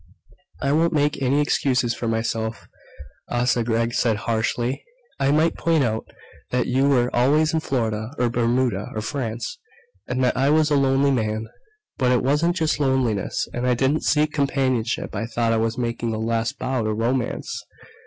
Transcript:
"I won't make any excuses for myself," Asa Gregg said harshly. "I might point out that you were always in Florida or Bermuda or France, and that I was a lonely man. But it wasn't just loneliness, and I didn't seek companionship. I thought I was making a last bow to Romance.